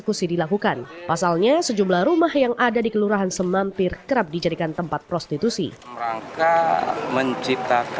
pemeriksaan dilakukan karena sejumlah rumah yang ada di kelurahan semampir kerap dijadikan tempat prostitusi